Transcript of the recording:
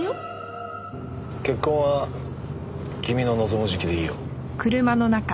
結婚は君の望む時期でいいよ。